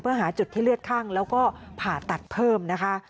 เพื่อหาจุดที่เลือดข้างแล้วก็ผ่าตัดเพิ่มนะคะ